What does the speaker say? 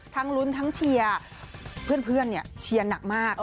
ลุ้นทั้งเชียร์เพื่อนเชียร์หนักมาก